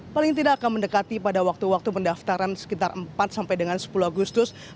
paling tidak akan mendekati pada waktu waktu pendaftaran sekitar empat sampai dengan sepuluh agustus